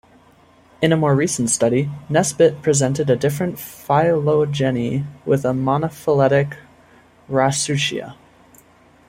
In a more recent study, Nesbitt presented a different phylogeny with a monophyletic Rauisuchia.